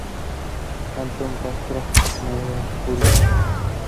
Antón Castro, Mercurio.